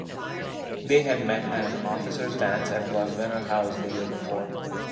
They had met at an officers' dance at Grosvenor House the year before.